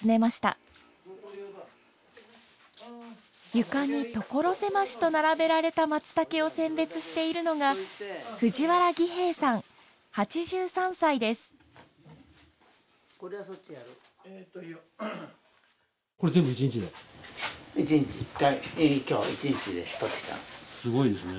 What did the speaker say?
床に所狭しと並べられたマツタケを選別しているのがすごいですね。